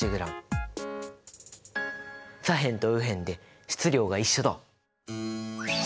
左辺と右辺で質量が一緒だ！